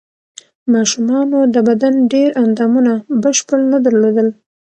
ماشومانو د بدن ډېر اندامونه بشپړ نه درلودل.